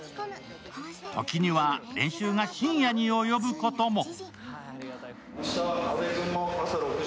ときには練習が深夜に及ぶことも。